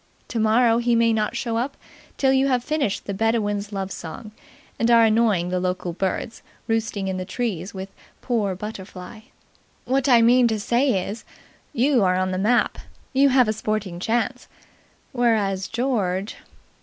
Tomorrow he may not show up till you have finished the Bedouin's Love Song and are annoying the local birds, roosting in the trees, with Poor Butterfly. What I mean to say is, you are on the map. You have a sporting chance. Whereas George...